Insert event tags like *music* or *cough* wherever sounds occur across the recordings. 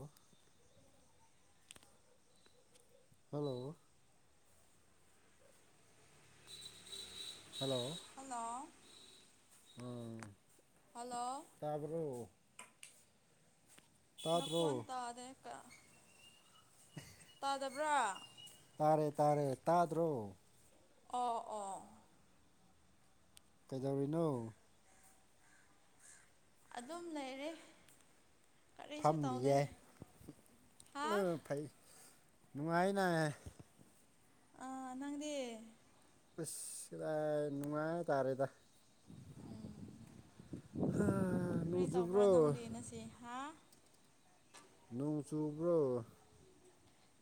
ꯑꯣ hello hello hello ꯎꯝ hello ꯇꯄ ꯃꯈꯈꯣꯟ ꯇꯥꯗ꯭ꯔꯣ ꯇꯥꯔꯦ ꯇꯥꯗꯕ꯭ꯔꯥ ꯇꯥꯔꯦ ꯇꯥꯔꯦ ꯇꯥꯗ꯭ꯔꯣ ꯑꯣ ꯑꯣ ꯀꯩꯗꯧꯔꯤꯅꯣ ꯑꯗꯨꯝ ꯂꯩꯔꯦ ꯀꯔꯤꯁꯨ ꯐꯝꯗꯤ ꯇꯧꯗꯦ ꯌꯥꯏ ꯍꯥ ꯐꯩ ꯅꯨꯡꯉꯥꯏꯅ ꯑꯥ ꯅꯪꯗꯦ ꯏꯁꯔꯥꯏ ꯅꯨꯡꯉꯥ ꯔꯦꯗꯗꯥ ꯀꯔꯤ ꯅꯣꯡ ꯇꯧꯕ꯭ꯔꯥ ꯆꯨꯞꯕ꯭ꯔꯣ ꯅꯪꯗꯤ ꯉꯁꯤ ꯍꯥ ꯅꯣꯡ ꯆꯨꯕ꯭ꯔꯣ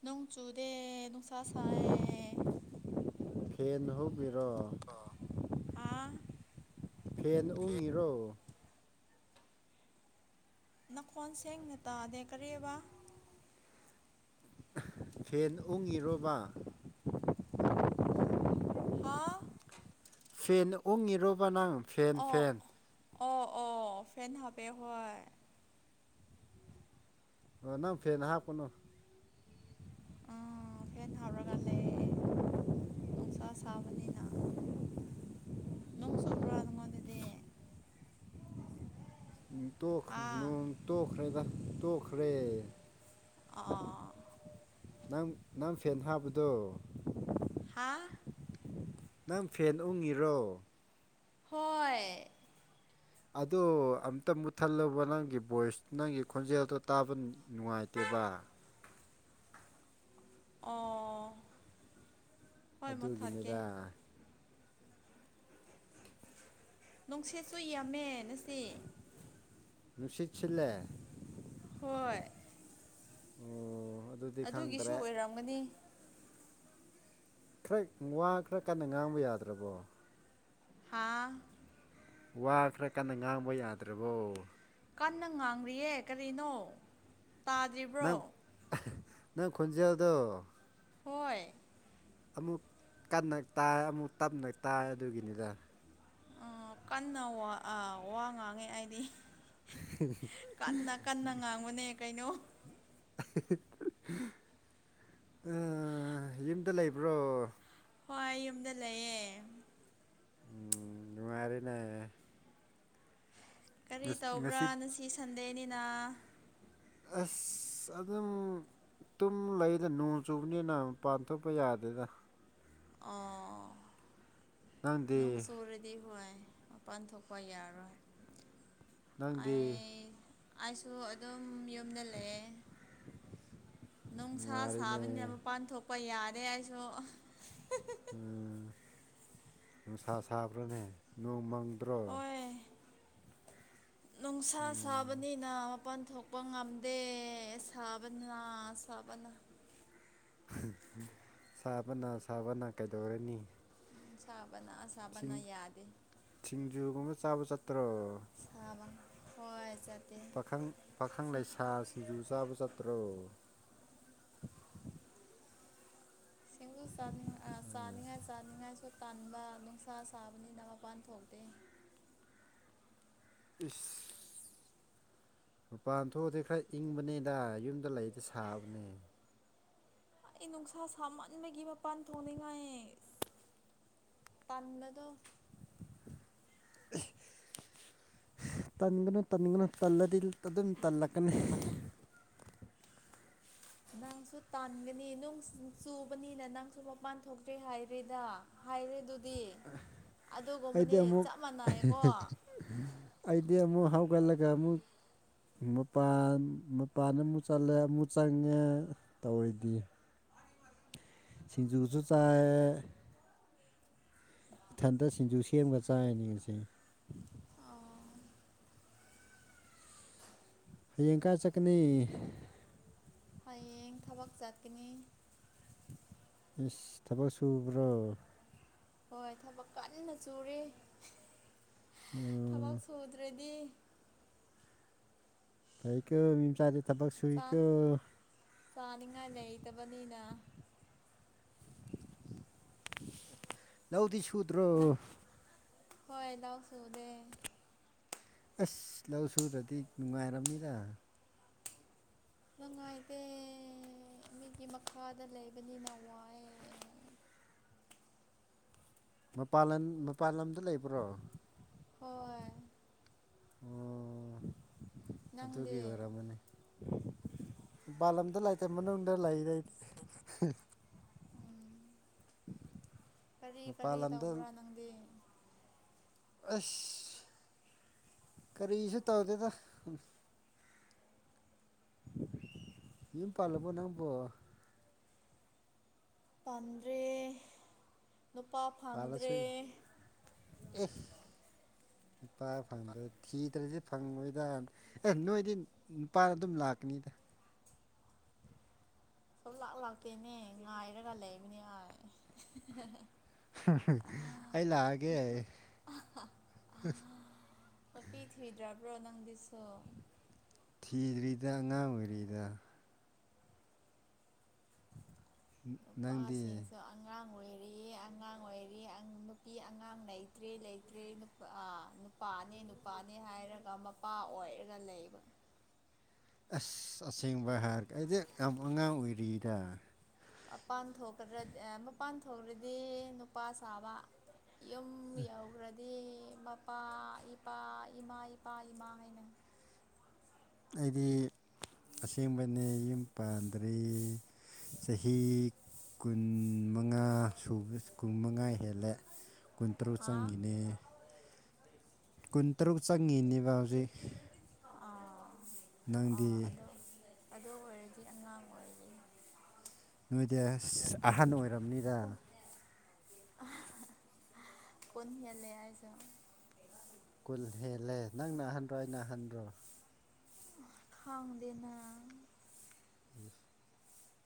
ꯅꯪ ꯆꯨꯗꯦ ꯅꯨꯡꯁ ꯁꯥꯏꯦ ꯐꯦꯟ ꯍꯧꯕꯤꯔꯣ ꯑꯥ ꯐꯦꯟ ꯎꯪꯉꯤꯔꯣ ꯅꯅꯥꯀꯣꯟ ꯁꯦꯡꯅ ꯇꯥꯗꯦ ꯀꯔꯤꯕ ꯐꯦꯟ ꯑꯣꯡꯉꯤꯔꯣꯔꯕ ꯍꯥ ꯐꯦꯟ ꯎꯪꯉꯤꯔꯣꯕ ꯅꯪ ꯐꯦꯟ ꯐꯦꯟ ꯑꯣꯐ ꯑꯦꯦꯟ ꯍꯥꯦ ꯍ ꯑꯣꯅ ꯐꯦ ꯅꯍꯥ ꯀꯅ ꯑ ꯀꯦꯟ ꯊꯥꯎꯔꯒ ꯂꯩ ꯑꯁꯥꯕꯅꯤꯅ ꯍꯥ ꯅꯣꯡ ꯇꯣꯛꯈ꯭ꯔꯦꯗ ꯇꯣꯛꯈ꯭ꯔꯦ ꯑꯥ ꯅꯪ ꯅꯪ ꯐꯦꯟ ꯍꯥꯞꯄꯗꯣ ꯍꯥ ꯅꯪ ꯐꯦꯟ ꯎꯪꯉꯤꯔꯣ ꯍꯣꯏ ꯑꯗꯣ ꯑꯝꯇ ꯃꯨꯠꯊꯜꯂꯨꯕ ꯅꯪꯒꯤ ꯚꯣꯏꯁ ꯅꯪꯒꯤ ꯈꯣꯟꯖꯦꯜꯗꯣ ꯇꯥꯕ ꯅꯨꯡꯉꯥꯏꯇꯦꯕ ꯕꯕꯥ ꯑꯣ ꯑꯗꯨꯒꯤꯅꯤꯗ ꯅꯨꯡꯁꯤꯦꯠꯁꯨ ꯌꯥꯝꯃꯦ ꯅ ꯁꯤ ꯅꯨꯡꯁꯤꯠꯁꯤꯂꯦ ꯍꯣꯏ ꯑꯣ ꯑꯗꯨꯗꯤ ꯈꯪꯗ꯭ꯔꯦ ꯈꯔ ꯋꯥ ꯈꯔ ꯀꯟꯅ ꯉꯥꯡꯕ ꯌꯥꯗ꯭ꯔꯕꯣ ꯍꯥꯥ ꯋꯥꯈ꯭ꯔ ꯀꯥꯟꯗ ꯉꯥꯡꯕ ꯌꯥꯗ꯭ꯔꯕꯣ ꯀꯟꯅ ꯉꯥꯡꯂꯤꯔꯤꯌꯦ ꯀꯔꯤꯅꯣ ꯅꯪ ꯅꯪ ꯈꯨꯟꯖꯦꯜꯗ ꯍꯣꯏ ꯑꯃꯨꯛ ꯀꯟꯅ ꯇꯥꯏ ꯑꯃꯨꯛ ꯇꯞꯅ ꯇꯥꯏ ꯑꯗꯨꯒꯤꯅꯤꯗ ꯀꯟꯅ ꯋꯥ ꯉꯥꯡꯉꯦ ꯑꯩꯗꯤ ꯀꯟꯅ ꯀꯟꯅ ꯉꯥꯡꯕꯅꯦ ꯀꯩꯅꯣ ꯌꯨꯝꯗ ꯂꯩꯕ꯭ꯔꯣ ꯍꯣꯏ ꯌꯨꯝꯗ ꯂꯩꯌꯦ ꯎꯝ ꯅꯨꯡꯉꯔꯤꯅꯦ ꯀꯔꯤ ꯇꯧꯕ꯭ꯔꯥ ꯉꯁꯤ ꯁꯟꯗꯦꯅꯤꯅ ꯑꯁ ꯑꯁ ꯑꯗꯨꯝ ꯇꯨꯝ ꯂꯩꯗ ꯅꯣꯡ ꯆꯨꯕꯅꯤꯅꯄꯥꯟ ꯊꯣꯛꯄ ꯌꯥꯗꯦꯗ ꯑꯣ ꯅꯣꯡ ꯅꯪꯗꯤ ꯆꯨꯔꯗꯤ ꯍꯣꯏ ꯃꯄꯥꯟ ꯊꯣꯛꯄ ꯌꯥꯔꯣꯏ ꯅꯪꯗꯤ ꯑꯩꯁꯨ ꯑꯗꯨꯝ ꯌꯨꯝꯗ ꯂꯩꯑꯦ ꯅꯨꯡꯁꯥ ꯁꯥꯕꯅꯤꯅ ꯅꯨꯡꯉꯥꯏꯔꯤꯅꯦ ꯃꯄꯥꯟ ꯊꯣꯛꯄ ꯌꯥꯔꯦ ꯑꯩꯁꯨ ꯎ ꯅꯨꯡꯁꯥ ꯁꯥꯕ꯭ꯔꯥꯅꯦ ꯅꯣꯡ ꯃꯪꯗ꯭ꯔꯣ ꯍꯣꯏ ꯅꯨꯡꯁꯥ ꯎꯝ ꯁꯥꯕꯅꯤꯅ ꯄꯟ ꯊꯣꯛꯄ ꯉꯝꯗꯦ ꯁꯥꯕꯅ ꯁꯥꯕꯅ ꯁꯥꯕꯅ ꯁꯥꯕꯅ ꯀꯩꯗꯧꯔꯅꯤ ꯁꯥꯕꯅ ꯁꯥꯕꯅ ꯌꯥꯗꯦ ꯁꯤꯡꯖꯨꯒꯨꯝꯕ ꯆꯥꯕ ꯆꯠꯇ꯭ꯔꯣ ꯁꯥꯕ ꯍꯣꯏ ꯆꯠ ꯄꯥꯈꯪ ꯄꯥꯈꯪ ꯂꯩꯁꯥ ꯁꯤꯡꯖꯨ ꯆꯥꯕ ꯆꯠꯇ꯭ꯔꯣ ꯁ ꯁꯅꯤ ꯎꯝ ꯁꯅꯤ ꯇꯟꯥꯟꯕ ꯅꯨꯡꯁꯥ ꯁꯥꯕꯅꯤꯅ ꯃꯄꯥꯟ ꯊꯣꯛꯇꯦ ꯑ ꯂꯨꯄꯥ ꯑ ꯊꯣꯛꯑꯗꯤ ꯈꯔ ꯏꯪꯕꯅꯦꯗ ꯌꯨꯝꯗ ꯂꯩꯗ ꯁꯥꯕꯅꯦ ꯑꯩ ꯅꯨꯡꯁꯥ ꯁꯥꯃꯟꯕꯒꯤ ꯃꯄꯥꯟ ꯊꯣꯡꯅꯤꯡꯉꯥꯏ ꯇꯝꯕꯗꯣ ꯇꯟꯒꯅꯨ ꯇꯟꯒꯅꯨ ꯇꯜꯂꯗꯤ ꯑꯗꯨꯝ ꯇꯜꯂꯛꯀꯅꯤ *inaudible* ꯅꯪꯁꯨ ꯇꯥꯟꯒꯅꯤ ꯅꯨꯡ ꯆꯨꯕꯅꯤꯅ ꯅꯪꯁꯨ ꯃꯄꯥꯟ ꯊꯣꯛꯇ꯭ꯔꯦ ꯍꯥꯏꯔꯦꯗ ꯍꯥꯏꯥꯏꯔꯦ ꯑꯩꯗꯤ ꯑꯃꯨꯛ ꯆꯞ ꯃꯥꯟꯅꯩꯀꯣ ꯑꯩꯗꯤ ꯑꯃꯨꯛ ꯊꯥꯎꯒꯂ ꯀꯃ ꯃꯄꯥꯟ ꯃꯄꯥꯟ ꯑꯃꯨꯛ ꯆꯠꯂꯦ ꯑꯃꯨꯛ ꯆꯪꯉꯦ ꯇꯧꯔꯤꯗꯤ ꯑ ꯁꯤꯡꯖꯨꯁꯨ ꯆꯥꯏ ꯏꯊꯟꯇ ꯁꯤꯡꯖꯨ ꯁꯦꯝꯃꯒ ꯆꯥꯏꯅꯦ ꯉꯁꯦ ꯍꯌꯦꯡꯀꯥ ꯆꯀꯅꯤ ꯍꯌꯦꯡ ꯊꯕꯛ ꯆꯠꯀꯅꯤ ꯏꯁ ꯊꯕꯛ ꯁꯨꯕ꯭ꯔꯣ ꯍꯣꯏ ꯊꯕꯛ ꯀꯟꯅ ꯆꯨꯨꯔꯦ ꯊꯕꯛ ꯎꯝ ꯁꯨꯗ꯭ꯔꯗꯤ ꯐꯩ ꯀꯣ ꯃꯤ ꯆ ꯆꯥꯅꯤꯡꯉꯥꯏ ꯂꯩꯇꯕꯅꯤꯅ ꯅꯧꯗꯤ ꯅ ꯁꯨꯗ꯭ꯔꯣ ꯍꯣꯏ ꯂꯗꯥ ꯁꯧꯗꯦ ꯑꯁ ꯂꯧ ꯁꯨꯔꯗꯤ ꯅꯨꯡꯉꯥꯏꯔꯕꯅꯤꯗ ꯅꯨꯪꯉꯥꯏꯇꯦ ꯃꯤꯒꯤ ꯃꯈꯥꯗ ꯂꯩꯕꯅꯤꯅ ꯋꯥꯏ ꯃꯄꯥꯟ ꯂꯝ ꯃꯄꯥꯟ ꯂꯝꯗ ꯂꯩꯕ꯭ꯔꯣ ꯍꯣꯏ ꯑꯣ ꯑꯗꯨꯒꯤ ꯅꯪꯗꯤ ꯑꯣꯏꯔꯝꯃꯅꯤ ꯃ ꯄꯂꯝꯗ ꯇ ꯃꯅ ꯎꯗꯔ ꯂꯏꯔ ꯏꯗꯤ ꯀꯔꯤ ꯃꯄꯥꯟ ꯀꯔꯤ ꯂꯝꯗ ꯇꯧꯕ꯭ꯔꯥ ꯅꯪꯗꯤ ꯑꯁ ꯀꯔꯤꯁꯨ ꯇꯧꯗꯦꯗ ꯝꯌꯨꯝ ꯄꯜꯂꯕꯣ ꯅꯪꯕꯣ ꯄꯥꯟꯗ꯭ꯔꯦ ꯅꯨꯄꯥ ꯄꯥꯜꯂꯁꯨ ꯐꯪꯗ꯭ꯔꯦ ꯑꯦ ꯅꯨꯄꯥ ꯐꯪꯗ ꯊꯤꯗ꯭ꯔꯗꯤ ꯐꯪꯉꯣꯏꯗ ꯑꯦ ꯅꯣꯏꯗꯤ ꯅꯨꯄꯥꯅ ꯑꯗꯨꯝ ꯂꯥꯛꯀꯅꯤ ꯗ ꯁꯨꯡ ꯂꯥꯛ ꯂꯥꯛꯇꯦꯅꯦ ꯉꯥꯏꯔꯒ ꯂꯩꯕꯅꯦ ꯍꯥꯏ ꯑꯩ ꯂꯥꯛꯑꯒꯦ ꯅꯨꯄꯤ ꯊꯤꯗ꯭ꯔꯕ꯭ꯔꯣ ꯅꯪꯗꯤꯁꯨ ꯊꯤꯗ꯭ꯔꯤꯗ ꯑꯉꯥꯡ ꯑꯣꯏꯔꯤꯗ ꯅꯪꯗꯤ ꯑꯣꯏꯔꯤ ꯑꯉꯥꯡ ꯑꯣꯏꯔꯤ ꯅꯪ ꯅꯨꯄꯤ ꯑꯉꯥꯡ ꯂꯩꯇ꯭ꯔꯦ ꯂꯩꯇ꯭ꯔꯦ ꯅꯨꯄꯥꯅꯦ ꯅꯨꯄꯥꯅꯦ ꯍꯥꯏꯔꯒ ꯄꯥ ꯑꯣꯏꯔꯒ ꯂꯩꯕ ꯑꯁ ꯑꯁꯦꯡꯕ ꯍꯥꯏꯔꯒ ꯑꯩꯗꯤ ꯌꯥꯝ ꯑꯉꯥꯡ ꯑꯣꯏꯔꯤꯗ ꯃꯄꯥꯟ ꯊꯣꯛꯈ꯭ꯔꯗꯤ ꯑꯥ ꯃꯄꯥꯟ ꯊꯣꯛꯈ꯭ꯔꯗꯤ ꯅꯨꯄꯥ ꯁꯥꯕ ꯌꯨꯝ ꯌꯥꯎꯒꯔꯗꯤ ꯏꯃꯄꯥ ꯏꯄꯥ ꯏꯃꯥ ꯏꯄꯥ ꯏꯃꯥ ꯍꯥꯏꯅ ꯑꯩꯗꯤ ꯑꯁꯦꯡꯕꯅꯦ ꯌꯨꯝ ꯄꯥꯟꯗ꯭ꯔꯤ ꯆꯍꯤ ꯀꯨꯟ ꯃꯉꯥ ꯁꯨꯕ ꯀꯨꯟ ꯃꯉꯥ ꯍꯦꯜꯂꯦ ꯀꯨꯟꯇꯔꯨꯛ ꯍꯥ ꯆꯪꯉꯤꯅꯦ ꯀꯨꯟꯇꯔꯨꯛ ꯆꯪꯉꯤꯅꯦꯕ ꯍꯧꯖꯤꯛ ꯑꯥ ꯅꯪꯗꯤ ꯑꯥ ꯑꯗꯣ ꯑꯗꯨ ꯑꯣꯏꯔꯗꯤ ꯑꯉꯥꯡ ꯑꯣꯏꯔꯤ ꯅꯣꯏꯗꯤ ꯑꯁ ꯑꯍꯟ ꯑꯣꯏꯔꯝꯅꯤꯗ ꯀꯟ ꯍꯦꯜꯂꯦ ꯍꯥꯏꯗꯣ ꯀꯨꯜ ꯍꯦꯜꯂꯦ ꯅꯪꯅ ꯑꯍꯟꯗ꯭ꯔꯣ ꯑꯩꯅꯥ ꯍꯟꯗ꯭ꯔꯣ ꯈꯪꯗꯅ ꯏꯁ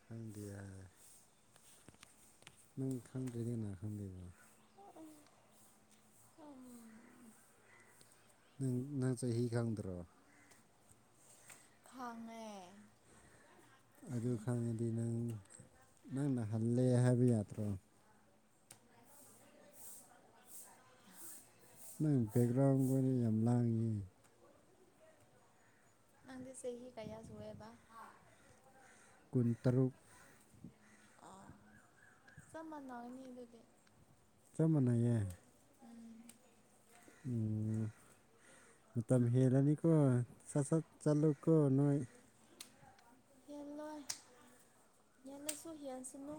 ꯈꯪꯗꯤꯌꯦ ꯅꯪ ꯈꯪꯗ꯭ꯔꯗꯤ ꯅꯥ ꯈꯪꯗꯣꯏꯕ ꯅꯪ ꯅꯪ ꯆꯍꯤ ꯈꯪꯗ꯭ꯔꯣ ꯈꯉꯦ ꯑꯗꯨ ꯈꯪꯉꯗꯤ ꯅꯪ ꯅꯪꯅ ꯍꯜꯂꯦ ꯍꯥꯏꯕꯤ ꯌꯥꯇ꯭ꯔꯣ ꯅꯪ ꯕꯦꯛꯒ꯭ꯔꯥꯎꯟꯒ ꯒꯣꯏꯗꯣ ꯌꯥꯝ ꯂꯥꯡꯉꯤ ꯅꯪꯗꯤ ꯆꯍꯤ ꯀꯌꯥ ꯁꯨꯋꯦꯕ ꯀꯨꯟꯇꯔꯨꯛ ꯑꯥ ꯁꯃꯟꯅꯅꯤ ꯑꯗꯨꯗꯤ ꯆꯞ ꯃꯥꯟꯅꯩꯌꯦ ꯎꯝ ꯃꯇꯝ ꯃꯇꯝ ꯍꯦꯜꯂꯅꯤꯀꯣ ꯁꯥ ꯁꯠ ꯆꯥꯂꯨꯀꯣ ꯅꯣꯏ ꯍꯦꯜꯂꯣꯏ ꯍꯦꯜꯂꯁꯨ ꯍꯦꯜꯁꯅꯨ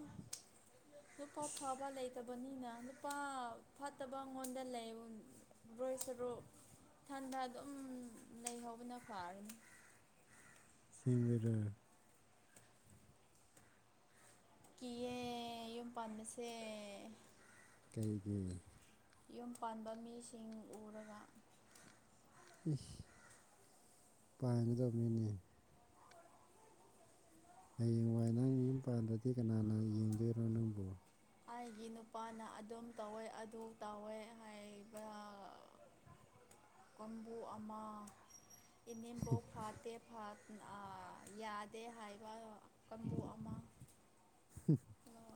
ꯅꯨꯄꯥ ꯐꯕ ꯂꯩ ꯇꯕꯅꯤꯅ ꯅꯨꯄꯥ ꯐꯠꯇꯕ ꯉꯣꯟꯗ ꯂꯩ ꯔꯣꯏ ꯁꯔꯨꯛ ꯊꯟꯗ ꯑꯗꯨꯝ ꯂꯩꯍꯧꯕꯅ ꯐꯥꯔꯅꯤ ꯁꯦꯡꯕꯤꯔꯣ ꯀꯤꯌꯦ ꯌꯨꯝ ꯄꯥꯟꯕꯁꯦ ꯀꯩꯒꯤ ꯌꯨꯝ ꯄꯥꯟꯕ ꯃꯤꯁꯤꯡ ꯎꯔꯒ ꯏꯁ ꯄꯥꯏꯒꯗꯕꯅꯤꯅꯦ ꯍꯌꯦꯡꯋꯥꯏ ꯅꯪ ꯌꯨꯝ ꯄꯥꯟꯗꯗꯤ ꯀꯅꯥꯅ ꯌꯦꯡꯗꯣꯏꯔꯣ ꯅꯪꯕꯣ ꯑꯩꯒꯤ ꯅꯨꯄꯥꯅ ꯑꯗꯨꯝ ꯇꯧꯋꯦ ꯑꯗꯨ ꯇꯧꯋꯦ ꯍꯥꯏꯕ ꯀꯣꯟꯕꯨ ꯑꯃ ꯏꯅꯦꯝꯕꯣꯛ ꯐꯥꯠꯇꯦ ꯐꯥ ꯌꯥꯗꯦ ꯍꯥꯏꯕ ꯀꯥꯡꯕꯨ ꯑꯃ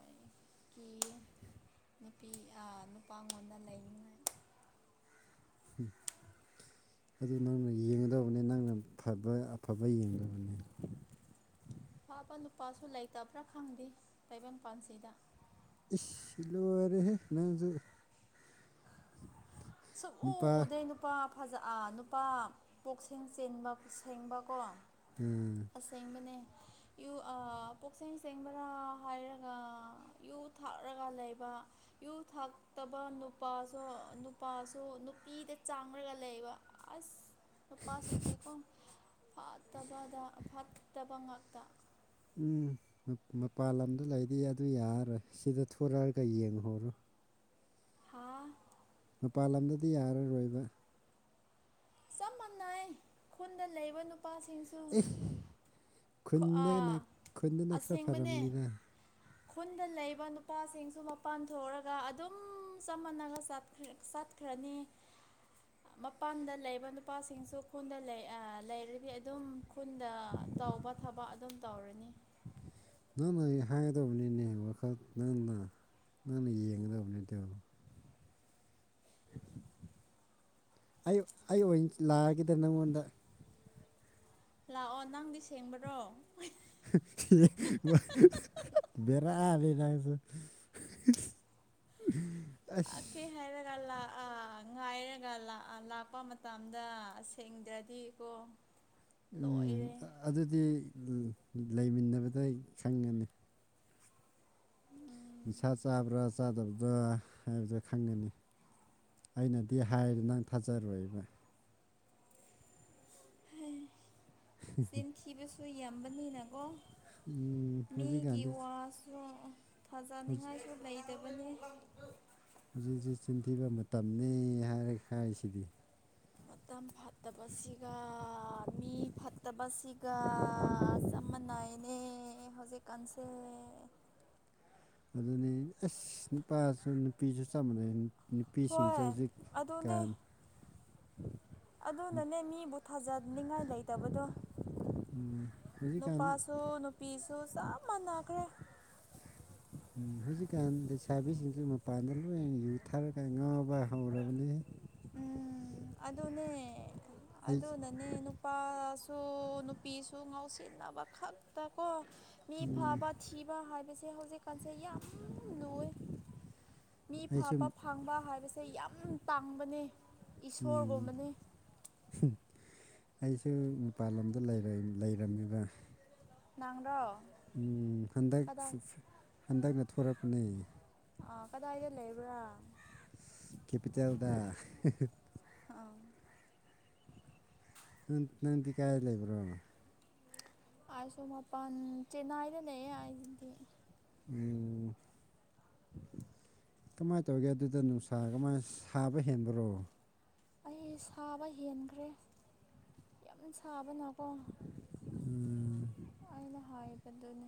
ꯑꯩ ꯀ ꯅꯨꯄꯤ ꯅꯨꯄꯥ ꯑꯩꯉꯣꯟꯗ ꯂꯩꯅꯤꯡꯉꯥꯏ ꯑꯗꯨ ꯅꯪꯅ ꯌꯦꯡꯒꯗꯕꯅꯤ ꯅꯪꯅ ꯐꯕ ꯑꯐꯕ ꯌꯦꯡꯗꯕꯅꯤ ꯐꯥꯕ ꯅꯨꯄꯥꯁꯨ ꯂꯩꯇꯕ꯭ꯔꯥ ꯈꯪꯗꯦ ꯇꯥꯏꯕꯪ ꯄꯥꯟꯁꯤꯗ ꯁꯤꯂꯣꯏꯔꯦꯍꯦ ꯅꯪꯁꯨ ꯁꯣ ꯑꯣ ꯅꯨꯄꯥ ꯑꯣꯗꯅꯨ ꯄ ꯐꯖ ꯅꯨꯄꯥ ꯄꯣꯛ ꯁꯦꯡ ꯆꯦꯟꯕ ꯁꯦꯡꯕꯀꯣ ꯑꯁ ꯑꯥ ꯑꯁꯦꯡꯕꯅꯦ ꯄꯨꯛꯆ ꯁꯦꯡꯕꯔꯥ ꯍꯥꯏꯔꯒ ꯌꯨ ꯊꯥꯛꯔꯒ ꯂꯩꯕ ꯨ ꯊꯥꯛꯇꯕ ꯅꯨꯄꯥꯁꯨ ꯅꯨꯄꯥꯁꯨ ꯅꯨꯄꯤꯗ ꯆꯥꯡꯔꯒ ꯂꯩꯕ ꯑꯁ ꯅꯨꯨꯄꯥꯁꯤꯡꯁꯦꯀꯣ ꯐꯠꯇꯕꯗ ꯐꯠꯇꯕ ꯉꯥꯛꯇ ꯎꯝ ꯃꯄꯥꯜ ꯂꯝꯗ ꯂꯩꯗꯤ ꯑꯗꯨ ꯌꯥꯔꯔꯣꯏ ꯁꯤꯗ ꯊꯣꯔꯛꯑꯒ ꯌꯦꯡꯍꯧꯔꯣ ꯍꯥ ꯃꯄꯥꯟ ꯂꯝꯗꯗꯤ ꯌꯥꯔꯔꯣꯏꯕ ꯆꯞ ꯃꯥꯟꯅꯩ ꯈꯨꯟꯗ ꯂꯩꯕ ꯅꯨ ꯑꯦ ꯈꯨꯟꯗ ꯑꯥ ꯈꯨꯟꯗꯅ ꯈꯔ ꯑꯁꯦꯡꯕꯅꯦ ꯐꯔꯝꯃꯅꯤꯗ ꯈꯨꯟꯗ ꯂꯩꯕ ꯅꯨꯄꯥꯁꯤꯡꯁꯨ ꯃꯄꯥꯟ ꯊꯣꯛꯑꯒ ꯑꯗꯨꯝ ꯆꯞꯃꯥꯟꯅꯒ ꯈ꯭ꯔꯅꯤ ꯃꯄꯟꯗ ꯂꯩ ꯏꯕ ꯅꯨꯄꯥꯁꯤꯡꯁꯨ ꯈꯨꯟꯗ ꯂꯩꯔꯗꯤ ꯑꯗꯨꯝ ꯈꯨꯟꯗ ꯇꯧꯕ ꯊꯕꯛ ꯑꯗꯨꯝ ꯇꯧꯔ ꯍꯅꯤ ꯅꯪ ꯅꯪ ꯑꯩ ꯍꯥꯏꯒꯗꯕꯅꯤꯅꯦ ꯋꯥꯈꯜ ꯅꯪꯅ ꯅꯪ ꯌꯦꯡꯉꯗ ꯑꯕꯅꯦꯇꯦ ꯑꯣꯏꯔꯕ ꯑꯩ ꯑꯩ ꯑꯣꯏꯅ ꯂꯥꯛꯑꯈꯤꯗ ꯅꯪꯉꯣꯟꯗ ꯂꯥꯛꯑꯣ ꯅꯪꯗꯤ ꯁꯦꯡꯕ꯭ꯔꯣ ꯕꯦꯔ ꯅꯦ ꯅꯪꯁꯨ *inaudible* ꯂ ꯀꯦ ꯑꯁ ꯍꯥꯏꯔꯒꯂ ꯉꯥꯏꯔꯒ ꯂꯥꯛꯄ ꯃꯇꯝꯗꯁꯦꯡꯗ꯭ꯔꯗꯤꯀꯣ ꯎꯝ ꯑꯗꯨꯗꯤ ꯂꯩꯃꯤꯟꯅꯕꯗ ꯑꯩ ꯈꯪꯒꯅꯤ ꯅꯤꯁꯥ ꯆꯥꯕ꯭ꯔꯥ ꯆꯥꯗꯕꯗꯥ ꯍꯥꯏꯕꯗꯣ ꯈꯪꯒꯅꯤ ꯑꯩꯅꯗꯤ ꯍꯥꯏꯔꯦ ꯅꯪ ꯊꯥꯖꯔꯣꯏꯕ ꯆꯤꯟꯊꯤꯕꯁꯨ ꯌꯥꯝꯕꯅꯤꯅꯀꯣ ꯎꯝ ꯃꯤꯒꯤ ꯍꯧꯖꯤꯛꯀꯥꯟꯗꯤ ꯋꯥꯁꯨ ꯍꯧꯖꯤꯛ ꯐꯖꯅꯤꯡꯉꯥꯏꯁꯨ ꯂꯩꯇꯕ ꯍꯧꯖꯤꯛ ꯍꯧꯖꯤꯛ ꯆꯤꯟꯊꯤꯕ ꯃꯇꯝꯅꯤ ꯍꯥꯏꯔ ꯍꯥꯏꯁꯤꯗꯤ ꯍꯠꯇ ꯌꯥꯝ ꯐꯠꯇꯕꯁꯤꯒ ꯃꯤ ꯐꯠꯇꯕꯁꯤꯒ ꯆꯃꯥꯟꯅꯩ ꯑꯅꯦ ꯍꯧꯖꯤꯛꯀꯥꯟꯁꯦ ꯑꯗꯨꯅꯤ ꯑꯁ ꯅꯨꯄꯥꯁꯨ ꯅꯨꯄꯤꯁꯨ ꯆꯞ ꯃꯥꯟꯅꯩ ꯅꯨꯄꯤꯁꯤꯡꯁꯦ ꯍꯣꯏ ꯑꯗꯨꯅꯦ ꯍꯧꯖꯤꯛꯀꯥꯟ ꯑꯗꯨꯅꯅꯦ ꯃꯤꯕꯨ ꯊꯥꯖꯅꯤꯡꯉꯥꯏ ꯂꯩꯇꯕꯗꯣ ꯍꯧꯖꯤꯛꯀꯥꯟ ꯅꯨꯄꯥꯁꯨ ꯅꯨꯄꯤꯁꯨ ꯆꯞ ꯃꯥꯟꯅꯈ꯭ꯔꯦ ꯍꯧꯖꯤꯛꯀꯥꯟ ꯂꯩꯁꯥꯕꯤꯁꯤꯡꯁꯨ ꯃꯄꯥꯟꯗ ꯂꯣꯏꯅ ꯌꯨ ꯊꯥꯔꯒ ꯉꯥꯎꯕ ꯍꯧꯔꯕꯅꯤ ꯎ ꯑꯗꯨꯅꯦ ꯑꯩ ꯑꯗꯨꯅꯅꯦ ꯅꯨꯄꯥꯁꯨ ꯅꯨꯄꯤꯁꯨ ꯉꯥꯎꯁꯤꯟꯅꯕ ꯈꯛꯇꯀꯣ ꯃꯤ ꯎꯝ ꯐꯥꯕ ꯊꯤꯕ ꯍꯥꯏꯕꯁꯦ ꯍꯧꯖꯤꯛꯀꯥꯟꯁꯦ ꯌꯥꯝ ꯂꯨꯏ ꯃꯤ ꯐꯕ ꯑꯩꯁꯨ ꯐꯥꯡꯕ ꯍꯥꯏꯕꯁꯦ ꯌꯥꯝ ꯇꯥꯡꯕꯅꯦ ꯎꯝ ꯏꯁꯣꯔꯒꯨꯝꯕꯅꯤ ꯑꯩꯁꯨ ꯃꯄꯥꯟ ꯂꯝꯗ ꯂꯩꯔꯝꯃꯤꯕ ꯅꯪ꯭ꯔꯣ ꯎꯝ ꯍꯟꯗꯛ ꯍꯟꯗꯛꯅ ꯊꯣꯔꯛꯄꯅꯦ ꯑꯥ ꯀꯗꯥꯏꯗ ꯂꯩꯕ꯭ꯔꯥ ꯀꯦꯄꯤꯆꯦꯜꯗ ꯑꯥ ꯅꯪꯗꯤ ꯀꯥꯏ ꯂꯩꯕ꯭ꯔꯣ ꯑ ꯁꯣꯃꯄꯥꯟ ꯆꯅꯏꯗ ꯂꯩꯦ ꯍꯥꯏꯗꯤ ꯎꯝ ꯀꯃꯥꯏꯅ ꯇꯧꯒꯦ ꯑꯗꯨꯗ ꯅꯨꯡꯁꯥ ꯀꯃꯥꯏꯅ ꯁꯥꯕ ꯍꯦꯟꯕꯔꯣ ꯑꯩ ꯁꯥꯕ ꯍꯦꯟꯈ꯭ꯔꯦ ꯌꯥꯝ ꯁꯥꯕꯅꯀꯣ ꯎꯝ ꯍꯕꯗꯨꯅꯤ